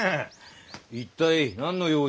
一体何の用で？